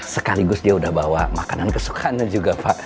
sekaligus dia udah bawa makanan kesukaannya juga pak